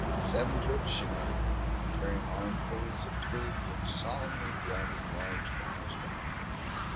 Seven trips she made, carrying armfuls of twigs and solemnly dragging large boughs behind her.